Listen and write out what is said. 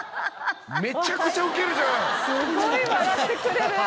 めちゃくちゃウケるじゃん。